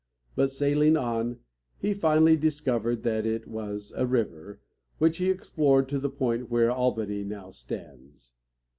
But sailing on, he finally discovered that it was a river, which he explored to the point where Al´ba ny now stands.